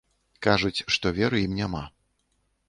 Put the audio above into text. Кажуць, што веры ім няма.